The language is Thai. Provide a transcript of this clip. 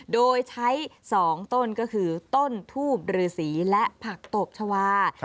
โดยใช้๒ต้นก็คือต้นทูบรือสีและผักตบชาวา